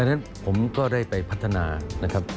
ฉะนั้นผมก็ได้ไปพัฒนานะครับ